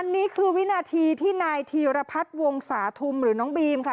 อันนี้คือวินาทีที่นายธีรพัฒน์วงศาธุมหรือน้องบีมค่ะ